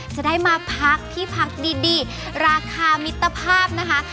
จะได้มาพักที่พักดีราคามิตรภาพนะคะ